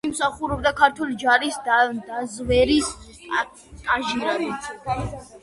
იგი მსახურობდა ქართულ ჯარში დაზვერვის სერჟანტად.